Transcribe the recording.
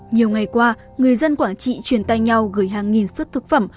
nhiều ngày qua người dân quảng trị truyền tay nhau gửi hàng nghìn suất thực phẩm